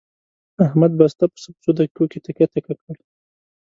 احمد بسته پسه په څو دقیقو کې تکه تکه کړ.